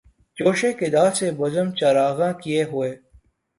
جوشِ قدح سے بزمِ چراغاں کئے ہوئے